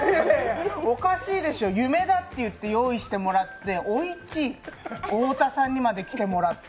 おかしいでしょ、用意してもらって「おいちぃ」太田さんにまで来てもらって。